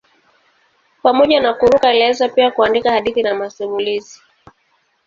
Pamoja na kuruka alianza pia kuandika hadithi na masimulizi.